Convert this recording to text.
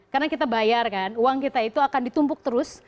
karena kita bayar kan uang kita itu akan ditumpuk terus